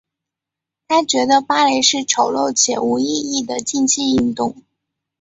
她觉得芭蕾是丑陋且无意义的竞技运动。